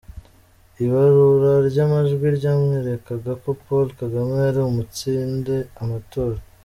Ibarura ry'amajwi ryamwerekaga ko Paul Kagame ari butsinde amatora.